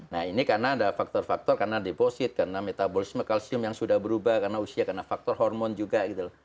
nah ini karena ada faktor faktor karena deposit karena metabolisme kalsium yang sudah berubah karena usia karena faktor hormon juga gitu